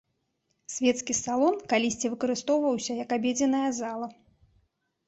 Свецкі салон калісьці выкарыстоўваўся як абедзенная зала.